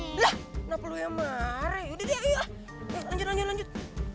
enggak perlu yang marah yuk lanjut lanjut lanjut